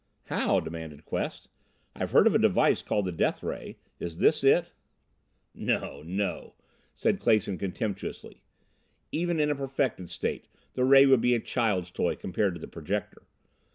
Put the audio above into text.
"How?" demanded Quest "I've heard of a device called the Death Ray. Is this it?" "No, no," said Clason contemptuously. "Even in a perfected state the Ray would be a child's toy compared to the Projector.